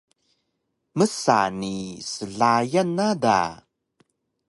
msa ni slayan na da